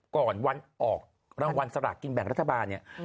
ก่อนวันออกรางวัลสลากกินแบ่งรัฐบาลเนี่ย